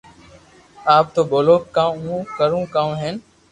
آپ تو ٻولو ڪاو ھون ڪرو ڪاوُ ھين